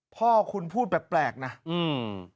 พ่อคุณพูดแปลกนะอืม